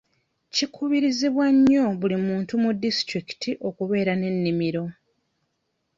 Kikubirizibwa nnyo buli muntu mu disitulikiti okubeera n'ennimiro.